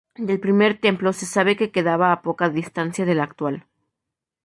Del primer templo se sabe que quedaba a poca distancia del actual.